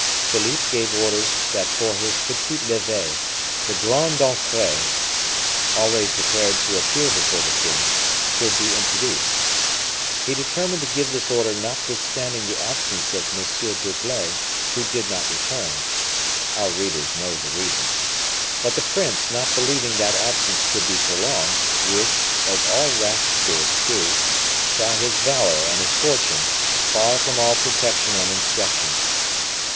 Philippe gave orders that for his petit lever the grandes entrees, already prepared to appear before the king, should be introduced. He determined to give this order notwithstanding the absence of M. d'Herblay, who did not return our readers know the reason. But the prince, not believing that absence could be prolonged, wished, as all rash spirits do, to try his valor and his fortune far from all protection and instruction.